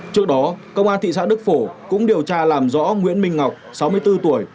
trước đó công an thị xã đức phổ cũng điều tra làm rõ nguyễn minh ngọc sáu mươi bốn tuổi